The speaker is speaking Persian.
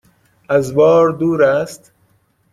از بار دور است؟